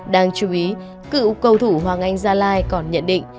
đáng chú ý cựu cầu thủ hoàng anh gia lai còn nhận định